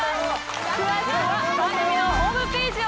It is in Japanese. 詳しくは番組のホームページを。